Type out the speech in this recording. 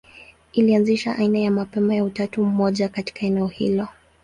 Ilianzisha aina ya mapema ya utatu mmoja katika eneo hilo.